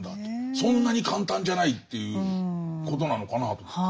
そんなに簡単じゃないということなのかなと思って。